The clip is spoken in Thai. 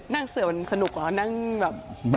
นางเสือมันสนุกเหรอนั่งแบบ